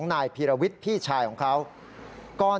เพราะถูกทำร้ายเหมือนการบาดเจ็บเนื้อตัวมีแผลถลอก